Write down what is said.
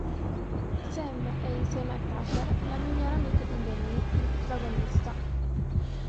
Sam è, insieme a Tucker, la migliore amica di Danny, il protagonista.